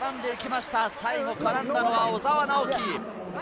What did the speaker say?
最後絡んだのは小澤直輝。